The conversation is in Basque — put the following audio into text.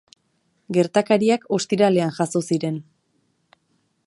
Gertakariak ostiralean jazo ziren.